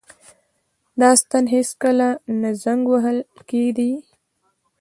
دا ستن هیڅکله نه زنګ وهل کیږي.